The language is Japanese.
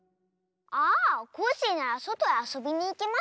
ああコッシーならそとへあそびにいきましたわ。